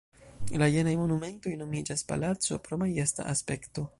La jenaj monumentoj nomiĝas "palaco" pro majesta aspekto.